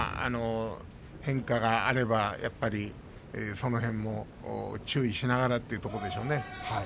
変化があればやっぱりその辺も注意しながらというところでしょうね。